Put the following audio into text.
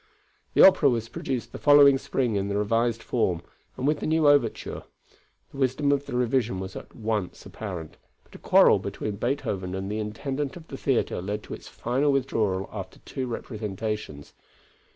The opera was produced the following spring in the revised form and with the new overture. The wisdom of the revision was at once apparent, but a quarrel between Beethoven and the intendant of the theatre led to its final withdrawal after two representations.